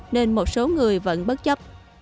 nên một số người vẫn bất chấp